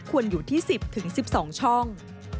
ควรอยู่ที่๑๐๑๒ช่อง